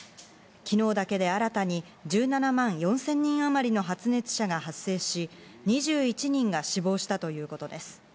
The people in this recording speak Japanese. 昨日だけで新たに１７万４０００人あまりの発熱者が発生し、２１人が死亡したということです。